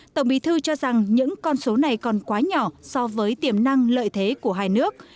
tổng bí thư cho rằng những con số này còn quá nhỏ so với tiềm năng lợi thế của hai nước